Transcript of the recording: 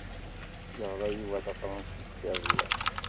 Yeɣra Yuba Tafransist iḍelli?